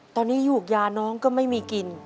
ตอนนี้อยู่ยาน้องก็ไม่มีกิน